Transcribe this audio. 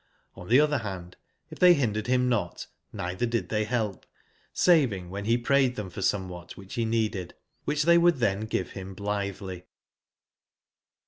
On the other hand, if they hindered him not, neitherdid they help, saving when ^he prayed them forsomewbatwhichbeneeded, which they wo uld then give him blithely.